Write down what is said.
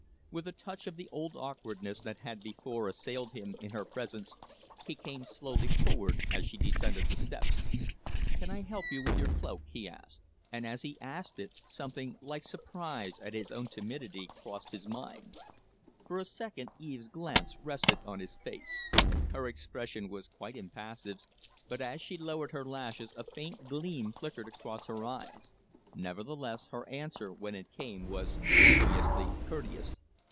With a touch of the old awkwardness that had before assailed him in her presence, he came slowly forward as she descended the stairs. "Can I help you with your cloak?" he asked. And as he asked it, something like surprise at his own timidity crossed his mind. For a second Eve's glance rested on his face. Her expression was quite impassive, but as she lowered her lashes a faint gleam flickered across her eyes; nevertheless, her answer, when it came, was studiously courteous.